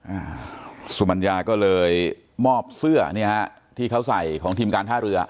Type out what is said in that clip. อ่าสุมัญญาก็เลยมอบเสื้อเนี่ยฮะที่เขาใส่ของทีมการท่าเรือ